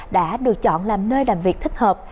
được chọn làm nơi làm việc thích hợp